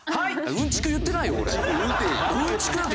うんちく言ってないよ俺。